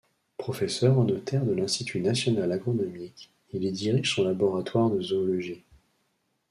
Professeur honotaire de l’Institut national agronomique, il y dirige son laboratoire de zoologie.